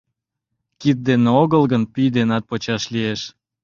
Кид дене огыл гын, пӱй денат почаш лиеш.